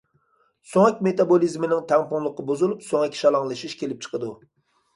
سۆڭەك مېتابولىزمىنىڭ تەڭپۇڭلۇقى بۇزۇلۇپ، سۆڭەك شالاڭلىشىش كېلىپ چىقىدۇ.